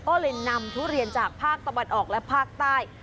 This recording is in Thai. ก็เลยนำทุเรียนจากภาคตะวันออกและภาคใต้